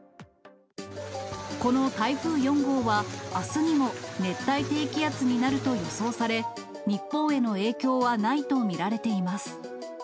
この台風４号は、あすにも熱帯低気圧になると予想され、日本への影響はないと見られています。